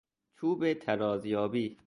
چوب ترازیابی